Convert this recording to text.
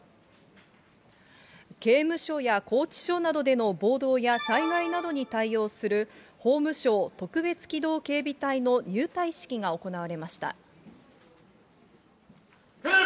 刑務所や拘置所などでの暴動や災害などに対応する法務省特別機動警備隊の入隊式が行われました。